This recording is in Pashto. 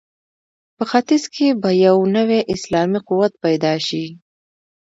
په ختیځ کې به یو نوی اسلامي قوت پیدا شي.